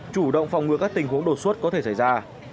chủ động phòng ngừa các tình huống đột xuất có thể xảy ra